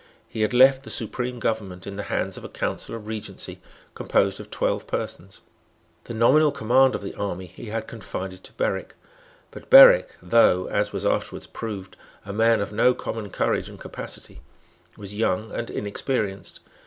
He had left the supreme government in the hands of a Council of Regency composed of twelve persons. The nominal command of the army he had confided to Berwick; but Berwick, though, as was afterwards proved, a man of no common courage and capacity, was young and inexperienced.